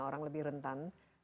orang lebih rentan